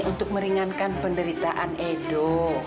untuk meringankan penderitaan edo